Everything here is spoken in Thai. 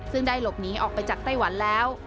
ซึ่งได้หลบหนีออกไปจากไต้หวันแล้ว